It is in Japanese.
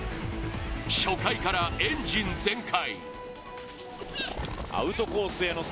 初回からエンジン全開。